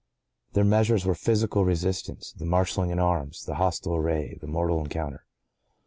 (¶ 5) Their measures were physical resistance—the marshalling in arms—the hostile array—the mortal encounter.